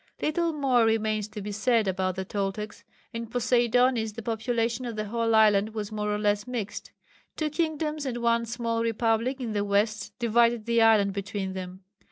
Little more remains to be said about the Toltecs. In Poseidonis the population of the whole island was more or less mixed. Two kingdoms and one small republic in the west divided the island between them.